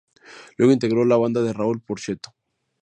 Luego integró la banda de Raúl Porchetto.